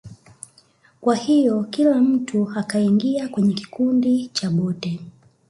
Kwa hiyo kila mtu akaingia kwenye kikundi cha boti